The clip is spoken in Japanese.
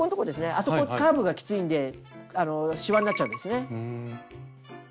あそこカーブがきついんでしわになっちゃうんですね。